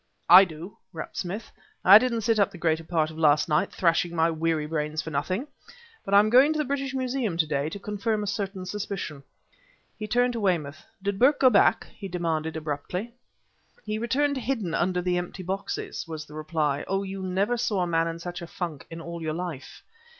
"I do!" rapped Smith; "I didn't sit up the greater part of last night thrashing my weary brains for nothing! But I am going to the British Museum to day, to confirm a certain suspicion." He turned to Weymouth. "Did Burke go back?" he demanded abruptly. "He returned hidden under the empty boxes," was the reply. "Oh! you never saw a man in such a funk in all your life!"